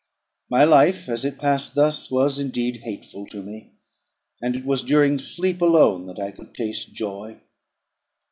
My life, as it passed thus, was indeed hateful to me, and it was during sleep alone that I could taste joy.